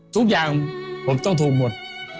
ทุกอย่างผมต้องถูกหมด